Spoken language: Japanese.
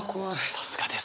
さすがです。